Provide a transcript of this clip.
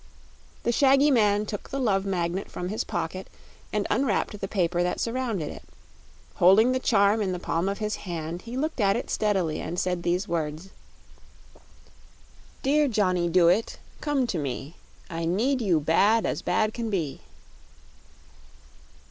The shaggy man took the Love Magnet from his pocket and unwrapped the paper that surrounded it. Holding the charm in the palm of his hand he looked at it steadily and said these words: "Dear Johnny Dooit, come to me. I need you bad as bad can be."